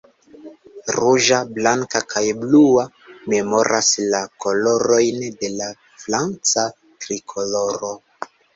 Ruĝa, blanka, kaj blua memoras la kolorojn de la franca Trikoloro.